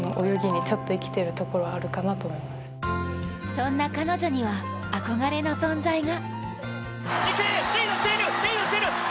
そんな彼女には、憧れの存在が。